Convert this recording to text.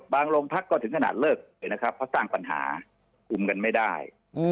โรงพักก็ถึงขนาดเลิกเลยนะครับเพราะสร้างปัญหาคุมกันไม่ได้